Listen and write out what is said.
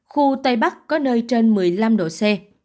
khu tây bắc có nơi trên một mươi năm độ c